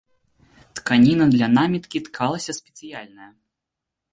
Тканіна для наміткі ткалася спецыяльная.